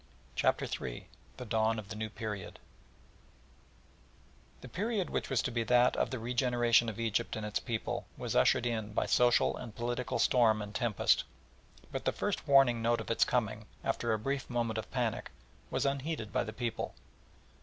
CHAPTER III THE DAWN OF THE NEW PERIOD The period which was to be that of the regeneration of Egypt and its people was ushered in by social and political storm and tempest. But the first warning note of its coming, after a brief moment of panic, was unheeded by the people.